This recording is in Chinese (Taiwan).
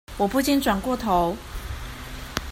我不禁轉過頭